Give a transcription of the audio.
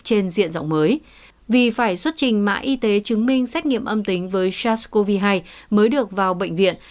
trên diện rộng mới vì phải xuất trình mã y tế chứng minh xét nghiệm âm tính với sars cov hai mới được vào bệnh viện